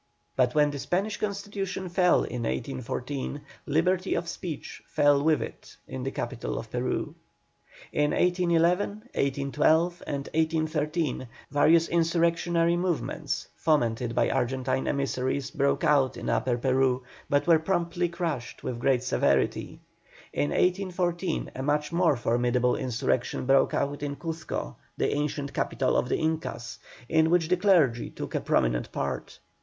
But when the Spanish Constitution fell in 1814, liberty of speech fell with it in the capital of Peru. In 1811, 1812, and 1813, various insurrectionary movements, fomented by Argentine emissaries, broke out in Upper Peru, but were promptly crushed with great severity. In 1814 a much more formidable insurrection broke out in Cuzco, the ancient capital of the Incas, in which the clergy took a prominent part.